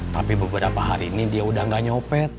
tapi beberapa hari ini dia udah gak nyopet